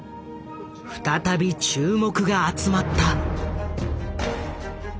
再び注目が集まった。